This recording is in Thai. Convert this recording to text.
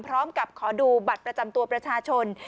พร้อมกับขอดูบัตรประจำตัวประชาชน